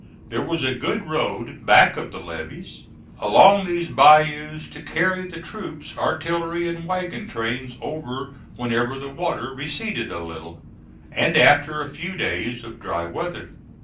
There was a good road back of the levees, along these bayous, to carry the troops, artillery and wagon trains over whenever the water receded a little, and after a few days of dry weather.